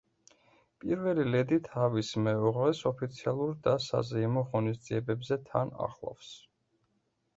პირველი ლედი თავის მეუღლეს ოფიციალურ და საზეიმო ღონისძიებებზე თან ახლავს.